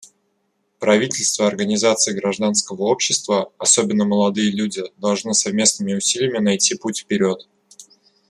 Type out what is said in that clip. Правительства и организации гражданского общества, особенно молодые люди, должны совместными усилиями найти путь вперед.